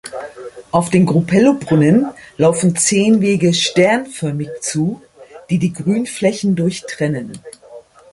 Auf den Grupello-Brunnen laufen zehn Wege sternförmig zu, die die Grünflächen durchtrennen.